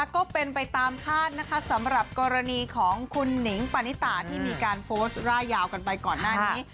ก็เป็นไปตามคาดนะคะสำหรับกรณีของคุณหนิงปานิตาที่มีการโพสต์ร่ายยาวกันไปก่อนหน้านี้